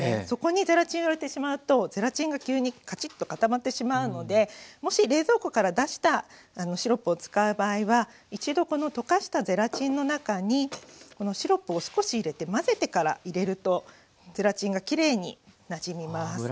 そこにゼラチンを入れてしまうとゼラチンが急にカチッと固まってしまうのでもし冷蔵庫から出したシロップを使う場合は一度この溶かしたゼラチンの中にこのシロップを少し入れて混ぜてから入れるとゼラチンがきれいになじみます。